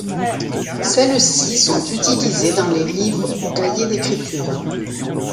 Celles-ci sont utilisées dans les livres ou cahiers d’écriture.